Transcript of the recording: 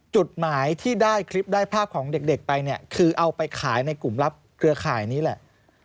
จุดหมายที่ได้คลิปได้ภาพของเด็กไปเนี่ยคือเอาไปขายในกลุ่มรับเครือข่ายนี้แหละ